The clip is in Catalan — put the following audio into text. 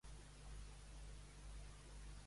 Pet silenciós pet pudent